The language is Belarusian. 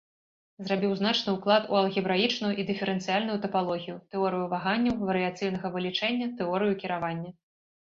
Зрабіў значны ўклад у алгебраічную і дыферэнцыяльную тапалогію, тэорыю ваганняў, варыяцыйнага вылічэння, тэорыю кіравання.